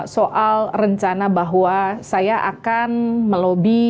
soal rencana bahwa saya akan melobi